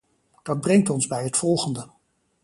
Dat brengt ons bij het volgende.